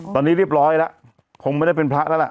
ตอนนี้เรียบร้อยแล้วคงไม่ได้เป็นพระแล้วล่ะ